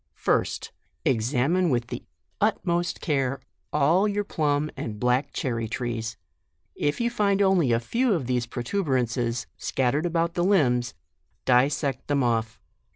First, examine with the utmost care all your plum and black cherry trees. If you tind only a few of these protuberances scat tered about the limbs, dissect them off.